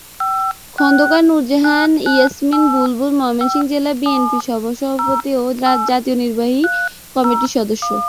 খন্দকার নূরজাহান ইয়াসমিন বুলবুল ময়মনসিংহ জেলা বিএনপির সহসভাপতি ও জাতীয় নির্বাহী কমিটির সদস্য।